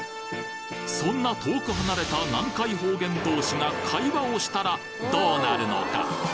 そんな遠く離れた難解方言同士が会話をしたらどうなるのか！？